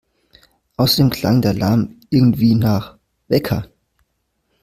Außerdem klang der Alarm irgendwie nach … Wecker!